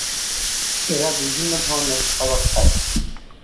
এরা বিভিন্ন ধরনের খাবার খায়।